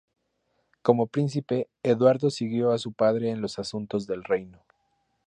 Como príncipe, Eduardo siguió a su padre en los asuntos del reino.